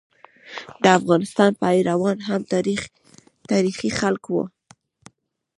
د افغانستان پيروان هم تاریخي خلک وو.